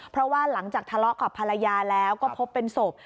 เพราะว่าหลังจากทะเลาะกับภรรยาแล้วก็พบเป็นศพ